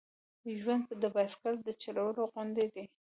ژوند د بایسکل د چلولو غوندې دی.